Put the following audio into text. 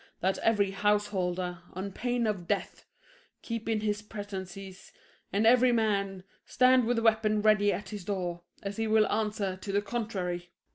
That every householder, on pain of death, Keep in his prentices, and every man Stand with a weapon ready at his door, As he will answer to the contrary.